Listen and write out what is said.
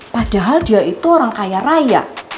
padahal dia itu orang kaya raya